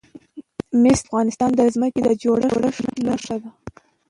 مس د افغانستان د ځمکې د جوړښت نښه ده.